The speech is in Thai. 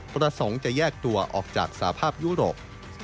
ประสงค์จะแยกตัวออกจากสภาพยุโรป